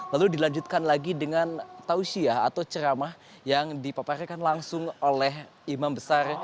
lalu dilanjutkan lagi dengan tausiah atau ceramah yang dipaparkan langsung oleh imam besar